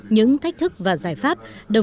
những thách thức và giải pháp